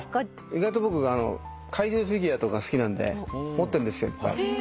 意外と僕怪獣フィギュアとか好きなんで持ってんですよいっぱい。